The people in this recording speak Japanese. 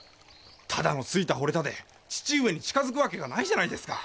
ただの好いた惚れたで義父上に近づくわけがないじゃないですか。